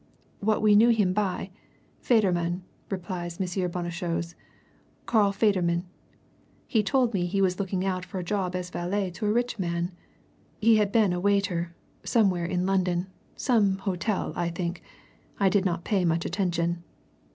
"What we knew him by Federman," replied M. Bonnechose. "Carl Federman. He told me he was looking out for a job as valet to a rich man. He had been a waiter somewhere in London some hotel, I think I did not pay much attention.